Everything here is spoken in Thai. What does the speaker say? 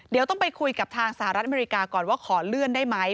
เดี๋ยวต้องไปคุยกับทางสหรัฐอเมริกาก่อนว่าขอเลื่อนได้ไหม